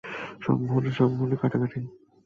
সম্মোহনে সম্মোহনে কাটাকাটি।